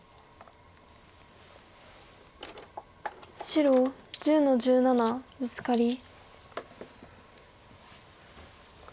白１０の十七ブツカリ。